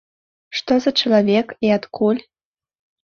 Што за чалавек і адкуль?